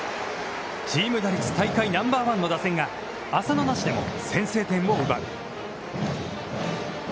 チーム打率大会ナンバーワンの打線が浅野なしでも先制点を奪う。